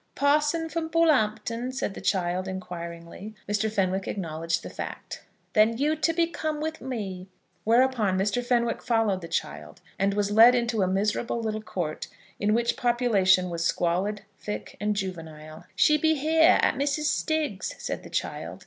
"Parson from Bull'umpton?" said the child, inquiringly. Mr. Fenwick acknowledged the fact. "Then you be to come with me." Whereupon Mr. Fenwick followed the child, and was led into a miserable little court in which population was squalid, thick, and juvenile. "She be here, at Mrs. Stiggs's," said the child.